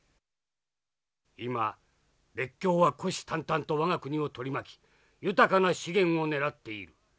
今列強は虎視たんたんと我が国を取り巻き豊かな資源を狙っている。